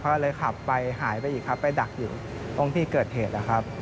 ก็เลยขับไปหายไปอีกครับไปดักอยู่ตรงที่เกิดเหตุนะครับ